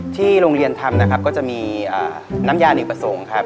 ที่โรงเรียนทำนะครับก็จะมีน้ำยาเนกประสงค์ครับ